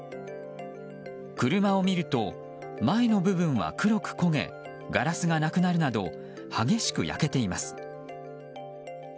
車を見ると前の部分は黒く焦げガラスがなくなるなど激しく焼けています。